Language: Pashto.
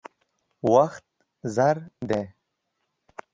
وخت زر دی.